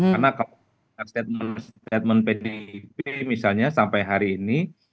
karena kalau statement pdip misalnya sampai hari ini